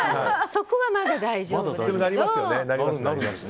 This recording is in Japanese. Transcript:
そこはまだ大丈夫だけど。